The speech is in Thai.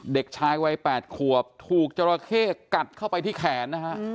เด็กชายวัย๘ขวบถูกจราเข้กัดเข้าไปที่แขนนะฮะ